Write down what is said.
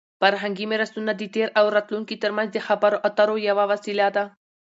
فرهنګي میراثونه د تېر او راتلونکي ترمنځ د خبرو اترو یوه وسیله ده.